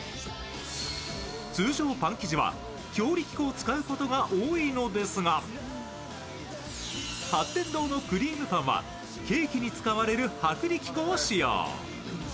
通常、パン生地は強力粉を使うことが多いのですが、八天堂のくりーむパンはケーキに使われる薄力粉を使用